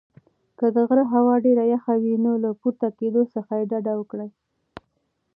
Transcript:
که د غره هوا ډېره یخه وي نو له پورته کېدو څخه ډډه وکړئ.